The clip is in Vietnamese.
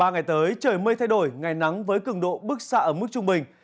ba ngày tới trời mây thay đổi ngày nắng với cường độ bức xạ ở mức trung bình